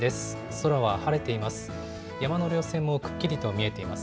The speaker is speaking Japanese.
空は晴れています。